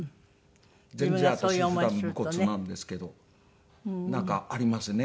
全然私普段武骨なんですけどなんかありますね